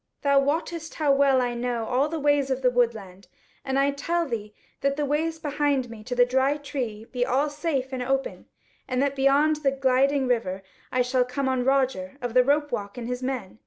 Thou wottest how well I know all the ways of the woodland, and I tell thee that the ways behind me to the Dry Tree be all safe and open, and that beyond the Gliding River I shall come on Roger of the Ropewalk and his men.